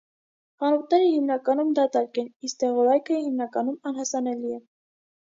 Խանութները հիմնականում դատարկ են, իսկ դեղորայքը հիմնականում անհասանելի է։